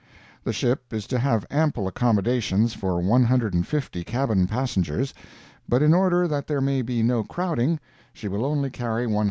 The ship is to have ample accommodations for 150 cabin passengers, but in order that there may be no crowding, she will only carry 110.